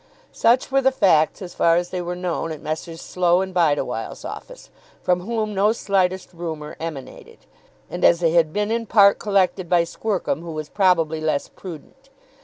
Such were the facts as far as they were known at Messrs. Slow and Bideawhile's office, from whom no slightest rumour emanated; and as they had been in part collected by Squercum, who was probably less prudent.